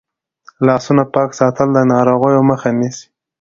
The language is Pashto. لاسونه پاک ساتل د ناروغیو مخه نیسي.